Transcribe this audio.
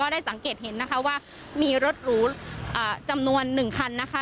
ได้สังเกตเห็นนะคะว่ามีรถหรูจำนวน๑คันนะคะ